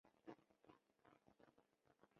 因此李镒完全无法得到有关日军的情报。